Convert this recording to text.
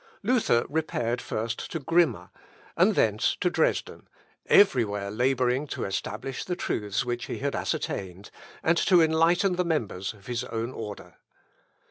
Luther repaired first to Grimma, and thence to Dresden, everywhere labouring to establish the truths which he had ascertained, and to enlighten the members of his own order.